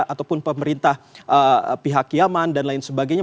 ataupun pemerintah pihak yaman dan lain sebagainya